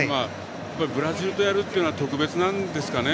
ブラジルとやるというのは特別なんですかね。